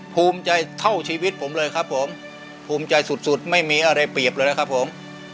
ภูมิใจเท่าชีวิตผมเลยครับผมภูมิใจสุดสุดไม่มีอะไรเปรียบเลยนะครับผม